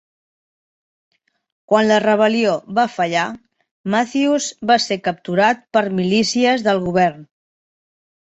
Quan la rebel·lió va fallar, Matthews va ser capturat per milícies del govern.